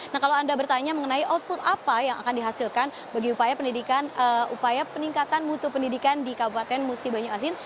nah kalau anda bertanya mengenai output apa yang akan dihasilkan bagi upaya peningkatan mutu pendidikan di kabupaten musi banyu asin